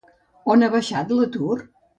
On ha baixat l'atur?